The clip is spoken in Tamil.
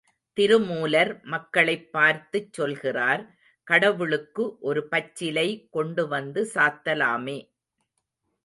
திருமூலர் மக்களைப் பார்த்துச் சொல்கிறார் கடவுளுக்கு ஒரு பச்சிலை கொண்டுவந்து சாத்தலாமே.